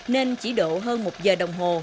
nên chỉ độ hơn một giờ đồng hồ